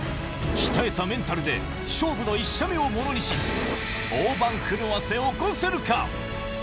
鍛えたメンタルで、勝負の１射目をものにし、大番狂わせを起こせるか。